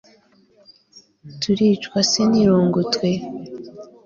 turicwa se n'irungu twe